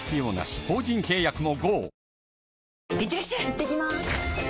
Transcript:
いってきます！